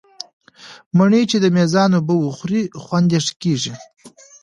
مڼې چې د مېزان اوبه وخوري، خوند یې ښه کېږي.